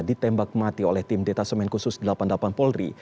ditembak mati oleh tim detasemen khusus delapan puluh delapan polri